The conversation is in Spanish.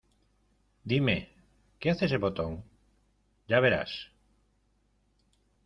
¿ Dime, qué hace ese botón? Ya verás.